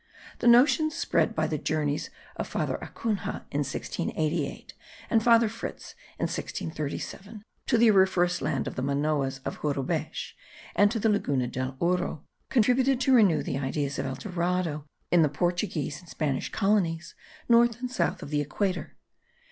The notions spread by the journeys of Father Acunha in 1688, and Father Fritz in 1637, to the auriferous land of the Manoas of Jurubesh, and to the Laguna de Ore, contributed to renew the ideas of El Dorado in the Portuguese and Spanish colonies north and south of the equator.